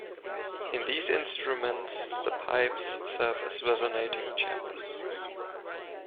In these instruments, the pipes serve as resonating chambers.